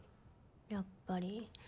やっぱり。